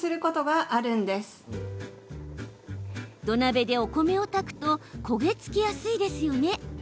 土鍋でお米を炊くと焦げ付きやすいですよね。